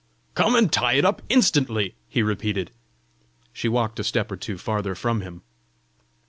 "Come and tie it up instantly!" he repeated. She walked a step or two farther from him.